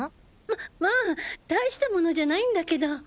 ままあ大した物じゃないんだけど。